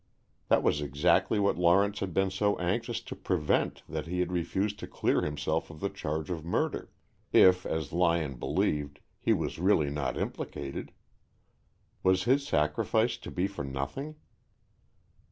That was exactly what Lawrence had been so anxious to prevent that he had refused to clear himself of the charge of murder, if, as Lyon believed, he was really not implicated. Was his sacrifice to be for nothing?